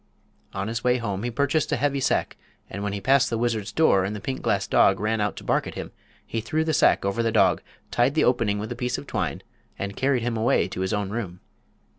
On his way home he purchased a heavy sack, and when he passed the wizard's door and the pink glass dog ran out to bark at him he threw the sack over the dog, tied the opening with a piece of twine, and carried him away to his own room.